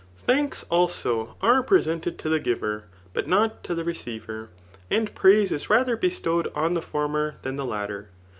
Thanks, also^ are pre^ seated to the giver, but not to die ceodyar ; and praise is rath^ bestowed onthe former than the latter*